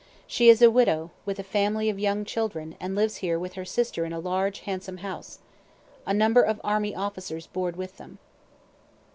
She is a widow, with a family of young children, and lives here with her sister in a large handsome house. A number of army officers board with them.